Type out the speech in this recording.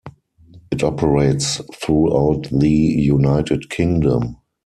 It operates throughout the United Kingdom.